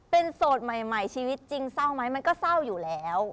เป็นโสดใหม่ชีวิตจริงเศร้าไหมมันก็เศร้าอยู่แล้ว